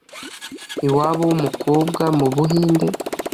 iwabo w’umukobwa mu Buhinde